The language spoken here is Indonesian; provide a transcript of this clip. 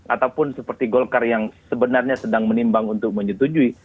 ataupun seperti golkar yang sebenarnya sedang menimbang untuk menyetujui